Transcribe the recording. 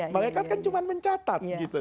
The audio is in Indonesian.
malaikat kan cuma mencatat